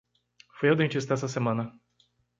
Fui ao dentista essa semana